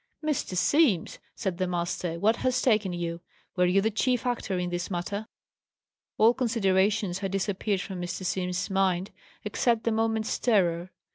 "Mr. Simms," said the master, "what has taken you? Were you the chief actor in this matter?" All considerations had disappeared from Mr. Simms's mind except the moment's terror.